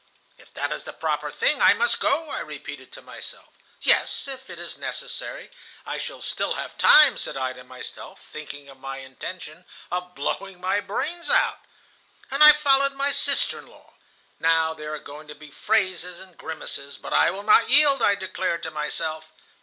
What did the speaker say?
"'If that is the proper thing, I must go,' I repeated to myself. 'Yes, if it is necessary, I shall still have time,' said I to myself, thinking of my intention of blowing my brains out. "And I followed my sister in law. 'Now there are going to be phrases and grimaces, but I will not yield,' I declared to myself.